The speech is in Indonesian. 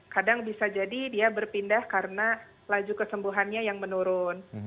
kadang bisa jadi dia berpindah karena laju kesembuhannya yang menurun